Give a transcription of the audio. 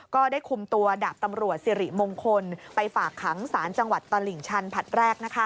ก็ได้คุมตัวดาบตำรวจสิริมงคลไปฝากขังสารจังหวัดตลิ่งชันผลัดแรก